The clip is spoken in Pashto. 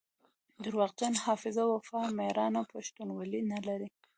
دروغجن حافظه وفا ميړانه پښتونولي نلري